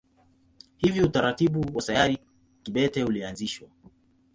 Hivyo utaratibu wa sayari kibete ulianzishwa.